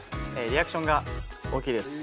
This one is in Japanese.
リアクションが大きいです